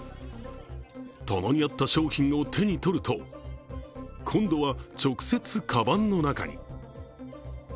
棚にあった商品を手に取ると、今度は直接、かばんの中に。